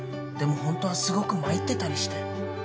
でもホントはすごく参ってたりして。